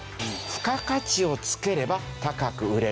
付加価値をつければ高く売れる。